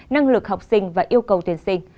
năng lực học sinh và yêu cầu tuyển sinh